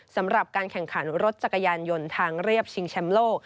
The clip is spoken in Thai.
สำหรับการแข่งขันรถจักรยานยนต์ทางเรียบชิงแชมป์โลก